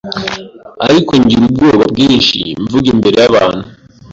ariko ngira ubwoba bwinshi mvuga imbere yabantu.